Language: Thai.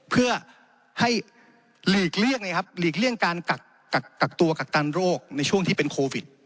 เพื่อให้หลีกเลี่ยงการกักตัวกักตันโรคในช่วงที่เป็นโควิด